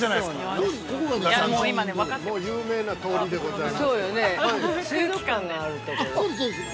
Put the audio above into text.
もう有名な通りでございますけれども。